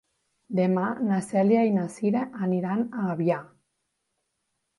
Demà na Cèlia i na Cira aniran a Avià.